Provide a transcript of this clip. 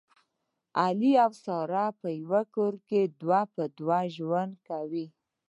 علي او ساره په یوه کور کې دوه په دوه ژوند کوي